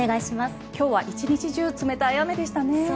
今日は１日中冷たい雨でしたね。